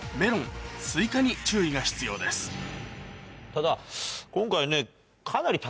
ただ今回ね。